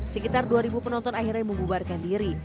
sekitar dua penonton akhirnya membubarkan diri